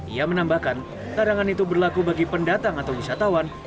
ia menambahkan larangan itu berlaku bagi pendatang atau wisatawan